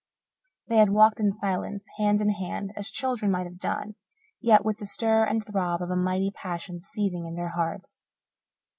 They had walked in silence, hand in hand, as children might have done, yet with the stir and throb of a mighty passion seething in their hearts.